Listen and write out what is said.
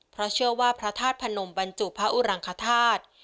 เพราะเชื่อว่าพระธาตุพนมบรรจุพระอุรังคธาตุ